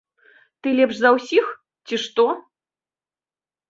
Ты лепш за ўсіх, ці што?